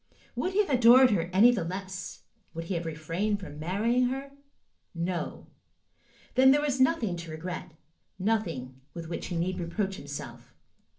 Would he have adored her any the less? Would he have refrained from marrying her? No. Then there was nothing to regret, nothing with which he need reproach himself.